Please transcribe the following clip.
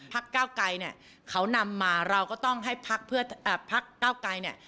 ภักดิ์เก้าไกรเขานำมาเราก็ต้องให้ภักดิ์เก้าไกร